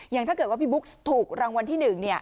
อย่างถ้าเกิดว่าพี่บุ๊คถูกรางวัลที่๑เนี่ย